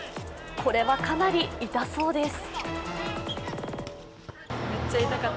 これはかなり痛そうです。